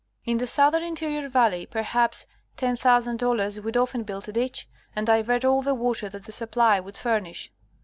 In the southern interior valley, perhaps, $10,000 would often build a ditch and divert all the water that the supply would furnish.